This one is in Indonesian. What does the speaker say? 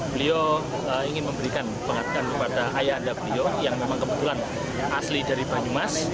beliau ingin memberikan pengakuan kepada ayah anda beliau yang memang kebetulan asli dari banyumas